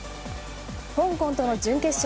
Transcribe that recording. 香港との準決勝